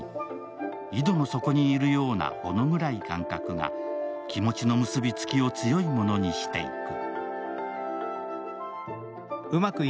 井戸の底にいるようなほの暗い感覚が気持ちの結びつきを強いものにしていく。